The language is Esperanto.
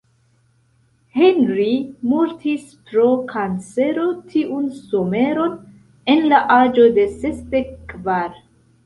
Henri mortis pro kancero tiun someron en la aĝo de sesdek kvar.